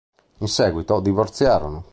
In seguito divorziarono.